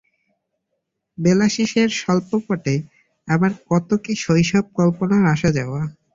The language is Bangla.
বেলাশেষের স্বল্পপটে আবার কত কি শৈশব-কল্পনার আসা-যাওয়া!